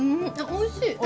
おいしい！